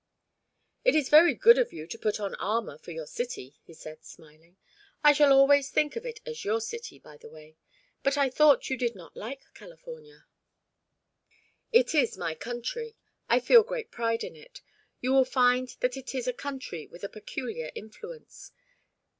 "It is very good of you to put on armour for your city," he said, smiling. "I shall always think of it as your city, by the way. But I thought you did not like California." "It is my country. I feel great pride in it. You will find that it is a country with a peculiar influence.